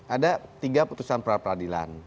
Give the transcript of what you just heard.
ada tiga putusan pra peradilan